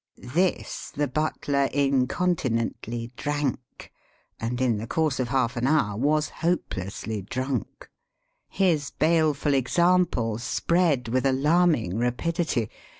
This the butler incontinently drank, and in the course of half an hour was hopelessly drunk. His baleful example spread with alarming rapidity.